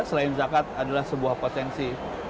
selain zakat adalah sebuah potensi